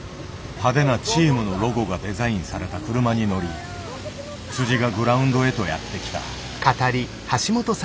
派手なチームのロゴがデザインされた車に乗りがグラウンドへとやって来た。